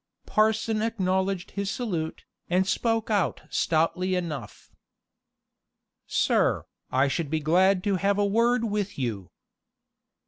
Parson acknowledged his salute, and spoke out stoutly enough. "Sir, I should be glad to have a word with you."